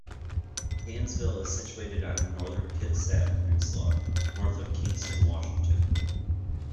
Hansville is situated on the Northern Kitsap Peninsula, north of Kingston, Washington.